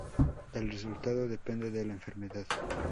El resultado depende de la enfermedad.